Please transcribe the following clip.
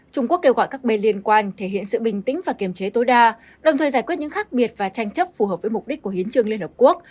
trung quốc kêu gọi các bên liên quan thể hiện sự bình tĩnh và kiềm chế tối đa đồng thời giải quyết những khác biệt và tranh chấp phù hợp với mục đích của hiến trương liên hợp quốc